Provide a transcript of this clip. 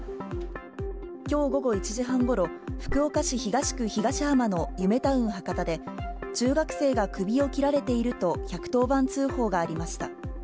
きょう午後１時半ごろ、福岡市東区東浜のゆめタウン博多で、中学生が首を切られていると、１１０番通報がありました。